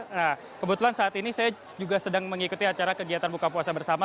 nah kebetulan saat ini saya juga sedang mengikuti acara kegiatan buka puasa bersama